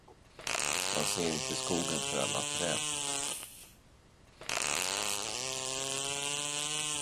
Man ser inte skogen för alla träd.